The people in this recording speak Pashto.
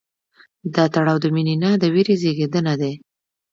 دا تړاو د مینې نه، د ویرې زېږنده دی.